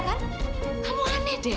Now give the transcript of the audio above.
karena kamu deket sama dia kan